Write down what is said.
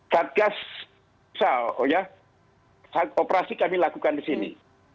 satgas misal operasi kami lakukan di sini